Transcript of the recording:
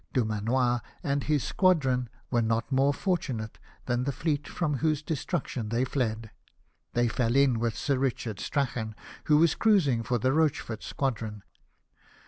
Dumanoir and his squadron were not more fortunate than the fleet fi'oui whose destruction thev fled : tho\' fell in Avith Sir Richard Strachau, who Avas cruising for the Rochefort squadron, and were all taken.